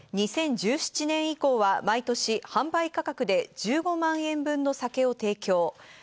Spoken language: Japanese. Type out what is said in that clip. ２０１７年以降は毎年販売価格で１５万円分の酒を提供。